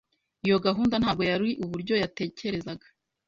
Iyo gahunda ntabwo yari uburyo yatekerezaga.